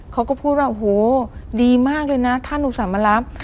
เขาก็พูดว่าโหดีมากเลยนะท่านหนูสามารับ